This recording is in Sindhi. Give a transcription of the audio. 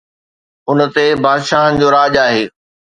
ان تي بادشاهن جو راڄ آهي.